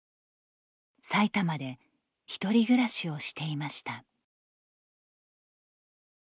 埼玉で１人暮らしをしていました。